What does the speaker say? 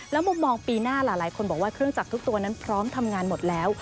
มุมมองปีหน้าหลายคนบอกว่าเครื่องจักรทุกตัวนั้นพร้อมทำงานหมดแล้ว